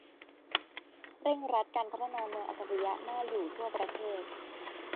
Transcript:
เร่งรัดการพัฒนาเมืองอัจฉริยะน่าอยู่ทั่วประเทศ